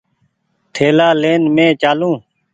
ٿيلآ لين مينٚ چآلون